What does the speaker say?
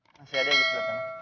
masih ada yang bisa ditanya